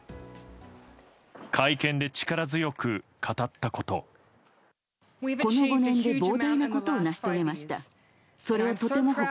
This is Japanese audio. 会見で力強く語ったこと。